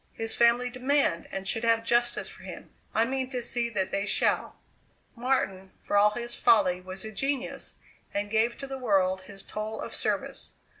His family demand and should have justice for him I mean to see that they shall. Martin, for all his folly was a genius, and gave to the world his toll of service.